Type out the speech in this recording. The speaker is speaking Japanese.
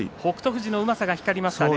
富士のうまさが光りましたね。